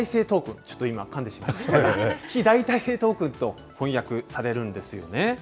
ちょっと今、かんでしまいました、非代替性トークンと翻訳されるんですよね。